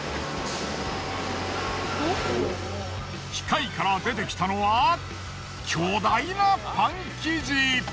機械から出てきたのは巨大なパン生地。